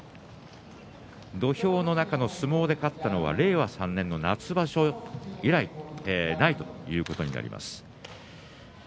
土俵の中の相撲で勝ったのは令和３年の夏場所来ということになります。